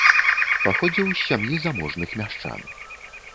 Паходзіў з сям'і заможных мяшчан.